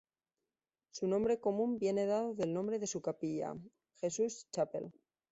Su nombre común viene dado del nombre de su capilla: "Jesus Chapel".